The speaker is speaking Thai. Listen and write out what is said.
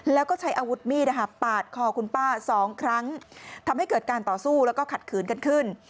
แล้วก็ใช้อาวุธมีดปาดคอคุณป้าสองครั้งทำให้เกิดการต่อสู้แล้วก็ขัดขืนกันขึ้น